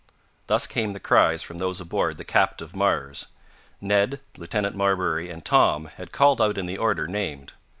Thus came the cries from those aboard the captive Mars. Ned, Lieutenant Marbury and Tom had called out in the order named.